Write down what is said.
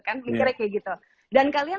kan mikirnya kayak gitu dan kalian